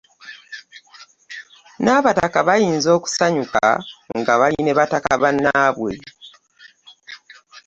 Nabataka bayinza okusanyuka nga bali ne bataka bannabwe .